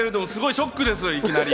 ショックです、いきなり。